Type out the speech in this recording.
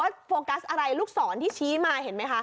โฟกัสอะไรลูกศรที่ชี้มาเห็นไหมคะ